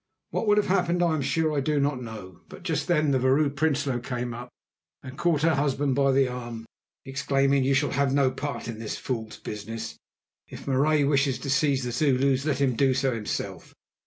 What would have happened I am sure I do not know; but just then the Vrouw Prinsloo came up and caught her husband by the arm, exclaiming: "You shall have no part in this fool's business. If Marais wishes to seize the Zulus, let him do so himself.